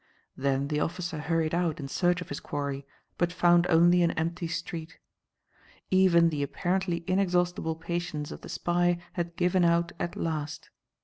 Then the officer hurried out in search of his quarry, but found only an empty street. Even the apparently inexhaustible patience of the spy had given out at last.